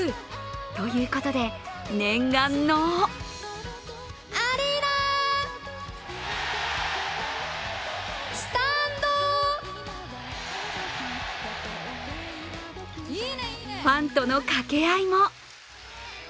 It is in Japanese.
ということで念願のファンとの掛け合いも。